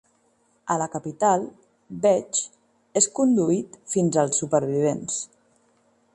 A la capital, Veitch és conduït fins als supervivents.